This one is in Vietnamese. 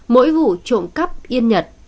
mỗi vụ trộm cắp yên nhật